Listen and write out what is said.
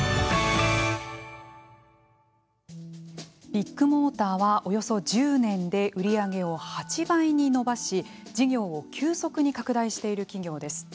ビッグモーターはおよそ１０年で売り上げを８倍に伸ばし事業を急速に拡大している企業です。